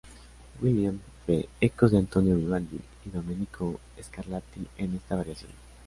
Williams ve ecos de Antonio Vivaldi y Domenico Scarlatti en esta variación.